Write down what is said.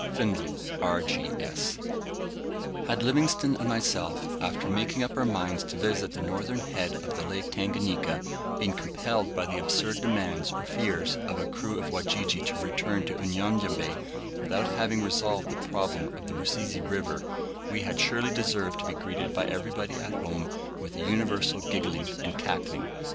Findlay, R.G.S. Had Livingstone and myself, after making up our minds to visit the northern head of the Lake Tanganika, been compelled by the absurd demands or fears of a crew of Wajiji to return to Unyanyembe without having resolved the problem of the Rusizi River, we had surely deserved to be greeted by everybody at home with a universal giggling and cackling.